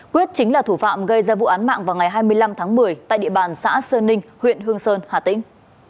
quyết chính là thủ phạm gây ra vụ án mạng vào ngày hai mươi năm tháng một mươi tại địa bàn xã sơn ninh huyện hương sơn hà tĩnh